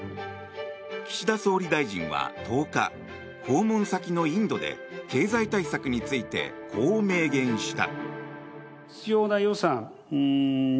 岸田総理大臣は１０日訪問先のインドで経済対策についてこう明言した。